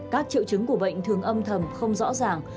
các triệu chứng của bệnh thường âm thầm không rõ ràng